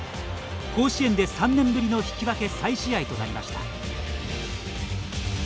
甲子園で３年ぶりの引き分け再試合となりました。